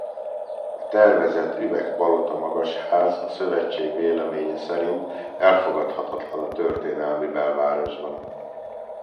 A tervezett üvegpalota-magasház a szövetség véleménye szerint elfogadhatatlan a történelmi Belvárosban.